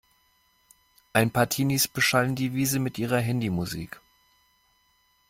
Ein paar Teenies beschallen die Wiese mit ihrer Handymusik.